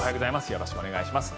よろしくお願いします。